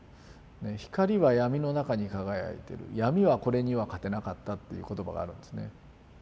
「光はやみの中に輝いてるやみはこれには勝てなかった」っていう言葉があるんですね。